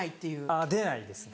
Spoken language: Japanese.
あぁ出ないですね。